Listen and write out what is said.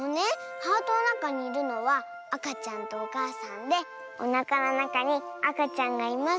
ハートのなかにいるのはあかちゃんとおかあさんでおなかのなかにあかちゃんがいます